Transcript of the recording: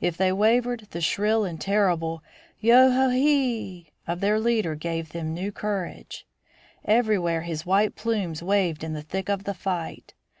If they wavered, the shrill and terrible "Yo ho e hee" of their leader gave them new courage. Everywhere his white plumes waved in the thick of the fight.